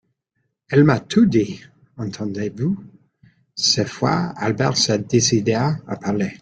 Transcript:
Elle m'a tout dit, entendez-vous ? Cette fois, Albert se décida à parler.